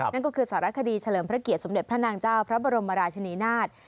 นั่นก็คือสารคดีเฉลิมพระเกียรติสมเด็จพระนางเจ้าพระบรมราชนีนาฏ